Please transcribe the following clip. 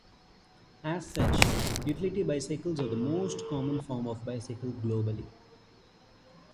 As such, utility bicycles are the most common form of bicycle globally.